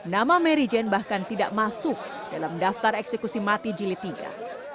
nama mary jane bahkan tidak masuk dalam daftar eksekusi mati jilid tiga